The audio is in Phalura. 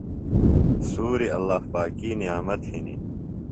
سُوری اللّٰہ پاکی نعمت ہِنیۡ۔